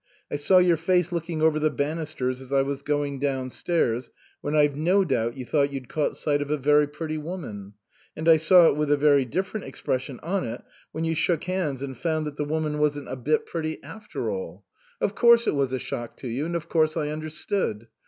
I saw your face looking over the banisters as I was going downstairs, when I've no doubt you thought you'd caught sight of a very pretty woman ; and I saw it with a very different expression on it when you shook hands and found that the woman wasn't a bit pretty 156 OUTWARD BOUND after all. Of course it was a shock to you, and of course I understood.